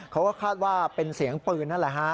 เขาก็คาดว่าเป็นเสียงปืนนั่นแหละฮะ